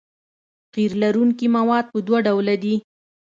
قیر لرونکي مواد په دوه ډوله دي